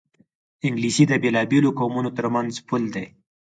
انګلیسي د بېلابېلو قومونو ترمنځ پُل دی